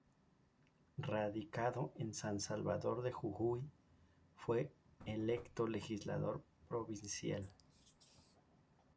Radicado en San Salvador de Jujuy, fue electo legislador provincial.